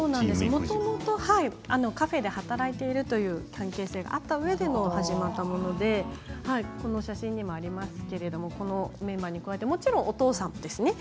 もともとカフェで働いている関係性があったうえで始まったもので写真にもありますけれどこのメンバーに加えてもちろんお父さんですね。